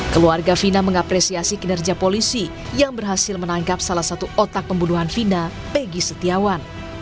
keluarga fina mengapresiasi kinerja polisi yang berhasil menangkap salah satu otak pembunuhan vina peggy setiawan